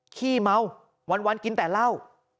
ขี้เมาวันกินแต่เหล้า